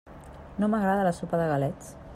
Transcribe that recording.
No m'agrada la sopa de galets.